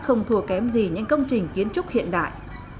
không thua kém gì những công trình kiến trúc hiện đại